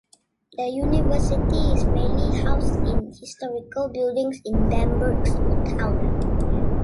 The university is mainly housed in historical buildings in Bamberg's Old Town.